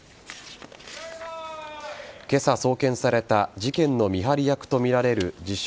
今朝送検された事件の見張り役とみられる自称